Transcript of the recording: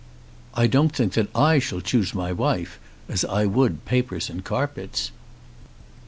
"I don't think that I shall choose my wife as I would papers and carpets."